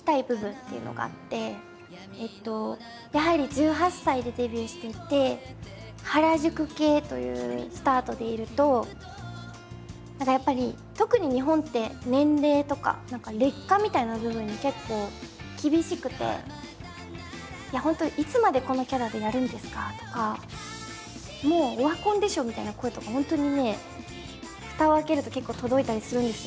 やはり１８歳でデビューしていて原宿系というスタートでいると何かやっぱり特に日本って年齢とか劣化みたいな部分に結構厳しくて「本当いつまでこのキャラでやるんですか？」とか「もうオワコンでしょ」みたいな声とか本当にねふたを開けると結構届いたりするんですよ。